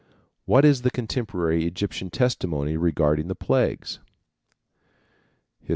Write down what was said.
What is the contemporary Egyptian testimony regarding the plagues? (_Hist.